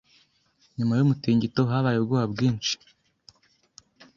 Nyuma y’umutingito habaye ubwoba bwinshi.